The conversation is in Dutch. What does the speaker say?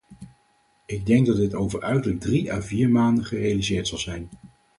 Ik denk dat dit over uiterlijk drie à vier maanden gerealiseerd zal zijn.